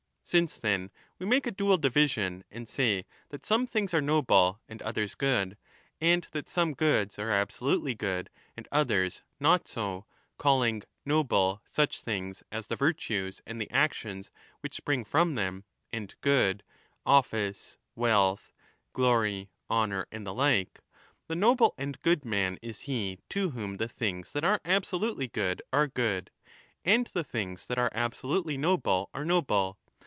Since, then, we make a dual division, and say that some things are noble and others good, and that some goods are absolutely good and others not so, calling * noble' such things as the virtues and the actions which spring from them, and 30 ' good ', office, wealth, glory, honour, and the like, the noble and good man is he to whom the things that are absolutely good are good, and the things that are absolutely noble are noble.